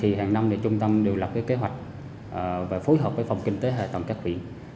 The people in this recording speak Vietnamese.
hàng năm trung tâm đều lập kế hoạch và phối hợp với phòng kinh tế hệ thống các viện